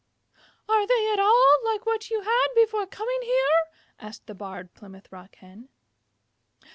"Are they at all like what you had before coming here?" asked the Barred Plymouth Rock Hen.